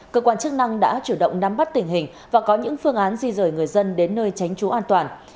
cơ quan chức năng đã chủ động nắm bắt tình hình và có những phương án di rời người dân đến nơi tránh trú an toàn